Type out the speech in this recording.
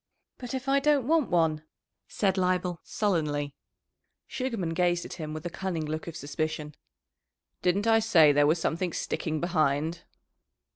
"But if I don't want one?" said Leibel sullenly. Sugarman gazed at him with a cunning look of suspicion. "Didn't I say there was something sticking behind?"